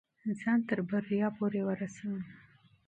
ځان تر کامیابۍ پورې ورسوه.